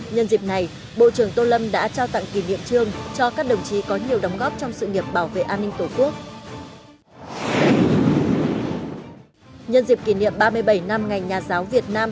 nhân dịp này bộ trưởng tô lâm đã trao tặng kỷ niệm trương cho các đồng chí có nhiều đóng góp trong sự nghiệp bảo vệ an ninh tổ quốc